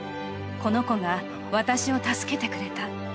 この子が私を助けてくれた。